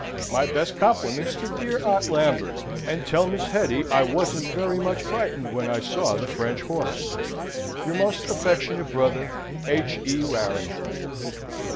My best compliments to dear Aunt Lambert, and tell Miss Hetty I wasn't very much fritened when I saw the French horse. Your most affectionate brother, H. E. WARRINGTON."